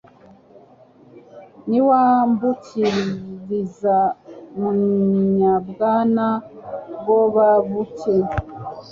Niwambukiriza mu Nyabwana Bwobabuke,